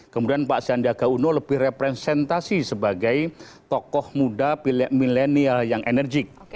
kemudian pak sandiaga uno lebih representasi sebagai tokoh muda milenial yang enerjik